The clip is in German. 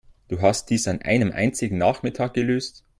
Du hast dies an einem einzigen Nachmittag gelöst?